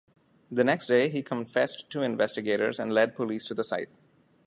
The next day, he confessed to investigators and led police to the site.